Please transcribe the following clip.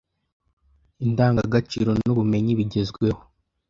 indangagaciro n'ubumenyi bigezweho